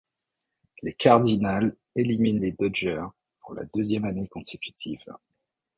Les Cardinals éliminent les Dodgers pour la deuxième année consécutive.